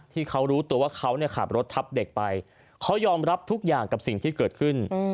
ที่เขารู้ตัวว่าเขาขับรถทับเด็กไปเขายอมรับทุกอย่างกับสิ่งที่เกิดขึ้น